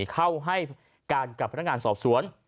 เข้าให้การกับพนักงานสอบสวน